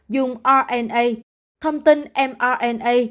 dùng rna thông tin mrna